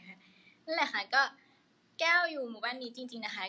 นั่นแหละค่ะก็แก้วอยู่หมู่บ้านนี้จริงนะคะ